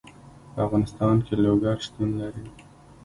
په افغانستان کې لوگر شتون لري.